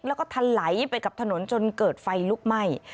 แล้วก็ทะไหลไปกับถนนจนเกิดไฟลุกไหม้